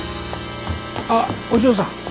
あっお嬢さん。